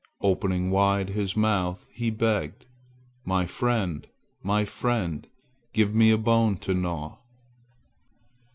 Opening wide his mouth he begged, "My friend, my friend, give me a bone to gnaw!"